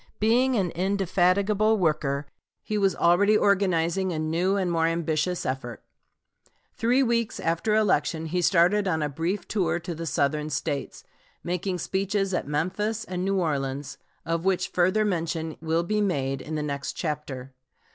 Being an indefatigable worker, he was already organizing a new and more ambitious effort. Three weeks after election he started on a brief tour to the Southern States, making speeches at Memphis and New Orleans, of which further mention will be made in the next chapter.